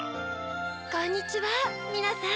こんにちはみなさん。